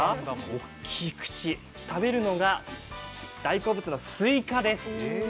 大きい口、食べるのは大好物のスイカです。